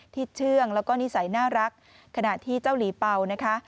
เชื่องแล้วก็นิสัยน่ารักขณะที่เจ้าหลีเป่านะคะ